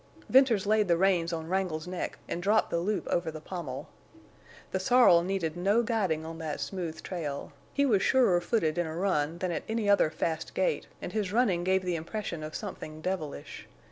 Venters laid the reins on Wrangle's neck and dropped the loop over the pommel. The sorrel needed no guiding on that smooth trail. He was surer footed in a run than at any other fast gait, and his running gave the impression of something devilish.